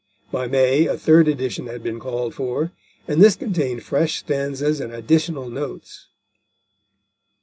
By May a third edition had been called for, and this contained fresh stanzas and additional notes.